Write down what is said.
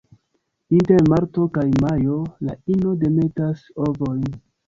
Inter marto kaj majo la ino demetas ovojn.